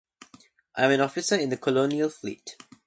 I'm an officer in the Colonial Fleet.